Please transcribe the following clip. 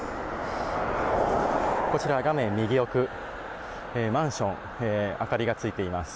こちらは画面右奥、マンション、明かりがついています。